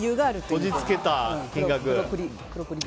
こじつけた金額。